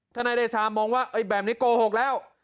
นายเดชามองว่าแบบนี้โกหกแล้ว